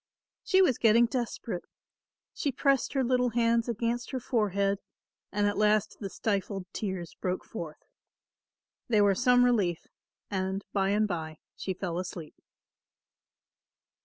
She was getting desperate. She pressed her little hands against her forehead and at last the stifled tears broke forth. They were some relief and bye and bye she fell asleep.